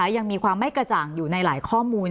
ยังมีความไม่กระจ่างอยู่ในหลายข้อมูล